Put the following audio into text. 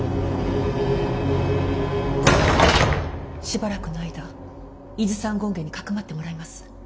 しばらくの間伊豆山権現に匿ってもらいます。